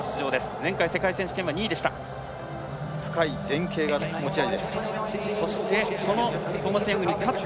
前回、世界選手権は２位でした。